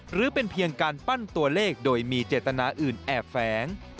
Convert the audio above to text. หรือเป็นเพียงการปั้นตัวเลขโดยมีเจตนาอื่นแอบแฝง